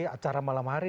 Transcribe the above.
acara malam hari